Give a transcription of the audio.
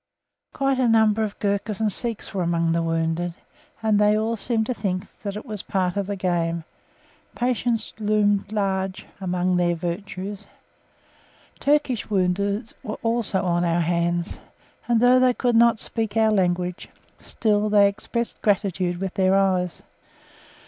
Quite a number of Ghurkas and Sikhs were amongst the wounded, and they all seemed to think that it was part of the game; patience loomed large among their virtues. Turkish wounded were also on our hands, and, though they could not speak our language, still they expressed gratitude with their eyes.